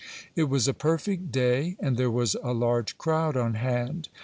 It was a perfect day, and there was a large crowd on hand.